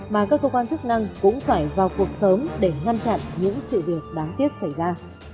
mà các cơ quan chức năng cũng phải vào cuộc sớm để ngăn chặn những sự việc đáng tiếc xảy ra